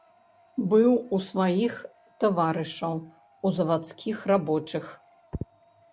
Быў у сваіх таварышаў, у заводскіх рабочых.